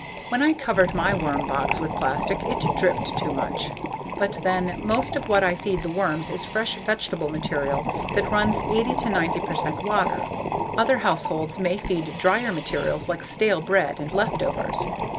When I covered my worm box with plastic it dripped too much. But then, most of what I feed the worms is fresh vegetable material that runs 80 90 percent water. Other households may feed dryer material like stale bread and leftovers.